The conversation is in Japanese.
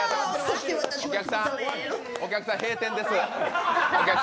お客さん、閉店です。